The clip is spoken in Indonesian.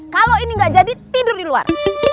kalau ini nggak jadi tidur di luar